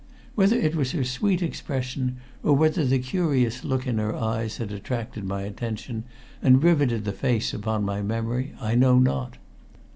Whether it was her sweet expression, or whether the curious look in her eyes had attracted my attention and riveted the face upon my memory, I know not.